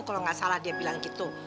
kalau nggak salah dia bilang gitu